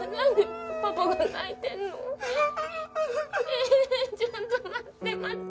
ええっちょっと待って待って！